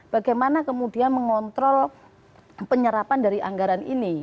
bagaimana kemudian mengontrol penyerapan dari anggaran ini